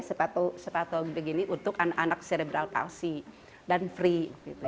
sepatu sepatu begini untuk anak anak serebral palsi dan free